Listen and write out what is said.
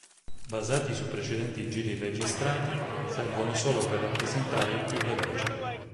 Basati su precedenti giri registrati, servono solo per rappresentare il più veloce.